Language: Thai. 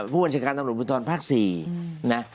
ผู้บัญชาการตำรวจภูทรภาค๔นะ